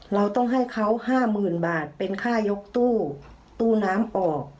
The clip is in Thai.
เราต้องให้เขา๕๐๐๐บาทเป็นค่ายกตู้ตู้น้ำออก